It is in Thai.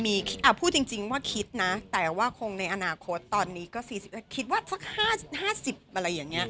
พูดจริงว่าคิดนะแต่ว่าคงในอนาคตตอนนี้ก็๔๑คิดว่าสัก๕๐อะไรอย่างนี้